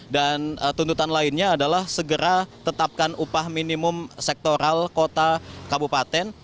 dan tuntutan lainnya adalah segera tetapkan upah minimum sektoral kota kabupaten